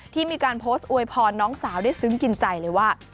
มีการโพสต์อวยพรน้องสาวได้ซึ้งกินใจเลยว่า